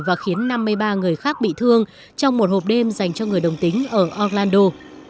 và khiến năm mươi ba người khác bị thương trong một hộp đêm dành cho người đồng tính ở oklandu